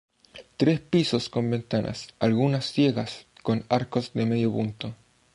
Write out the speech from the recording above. Tres pisos con ventanas, algunas ciegas con arcos de medio punto.